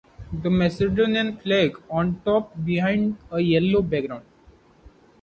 The Macedonian flag on top behind a yellow background.